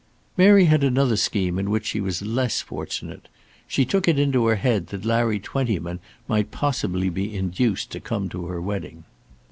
Mary had another scheme in which she was less fortunate. She took it into her head that Larry Twentyman might possibly be induced to come to her wedding.